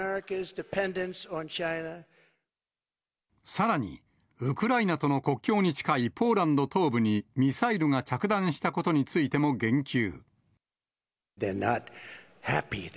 さらにウクライナとの国境に近いポーランド東部にミサイルが着弾したことについても言及。